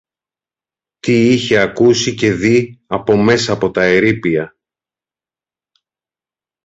τι είχε ακούσει και δει από μέσα από τα ερείπια